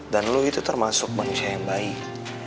dan lu itu termasuk manusia yang baik